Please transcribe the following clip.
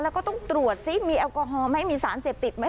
แล้วก็ต้องตรวจซิมีแอลกอฮอลไหมมีสารเสพติดไหม